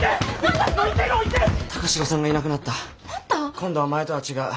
今度は前とは違う。